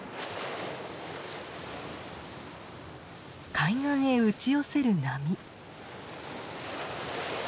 海岸へ打ち寄せる波。